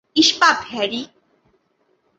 ইস্পাত, হ্যারি।